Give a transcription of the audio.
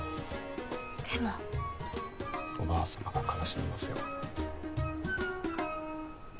でもおばあ様が悲しみますよ